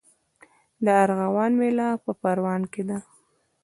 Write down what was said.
د ارغوان میله په پروان کې ده.